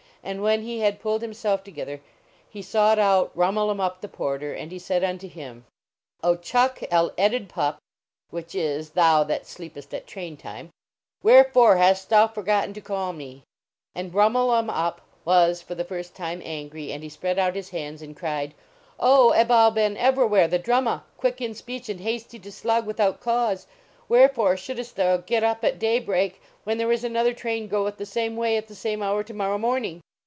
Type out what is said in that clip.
And when he had pulled himself together he sought out Rhumul em Uhp the Porter, and he said unto him : "O Chuck el edded Pup" (which is, thou that sleepest at train time), "when fore hast thou forgotten to call me?" And Rhumul em Uhp was for the fir>t time angry, and he spread out his hands and cried :" O Abou Ben Evrawhair the Drummuh, quick in speech and hasty to slug without cause! Wherefore shouldcst thou get up at day break when there is another train gueth the same way at the same hour to morn*w morning?